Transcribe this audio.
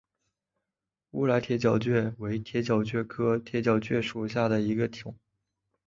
乌来铁角蕨为铁角蕨科铁角蕨属下的一个种。